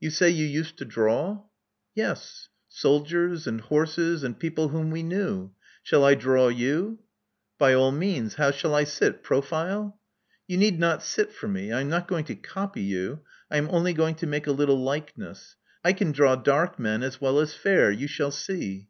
You say you used to draw?" Yes. Soldiers, and horses, and people whom we knew. Shall I draw you?" By all means. How shall I sit? Profile?" •*You need not sit for me. I am not going to copy you : I am only going to make a little likeness. I can draw dark men as well as fair. You shall see.